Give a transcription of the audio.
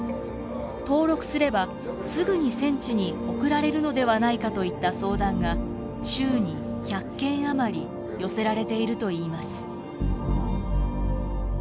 登録すれば、すぐに戦地に送られるのではないかといった相談が、週に１００件余り寄せられているといいます。